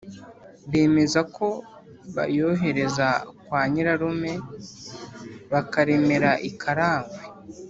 bemeza ko bayohereza kwa nyirarume karemera i karagwe